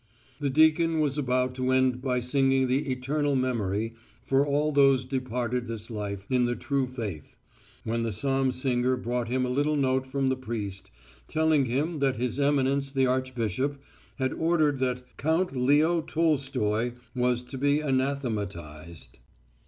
The deacon was about to end by singing the "Eternal Memory" for all those departed this life in the true faith, when the psalm singer brought him a little note from the priest, telling him that his Eminence the archbishop had ordered that Count Leo Tolstoy was to be anathematised.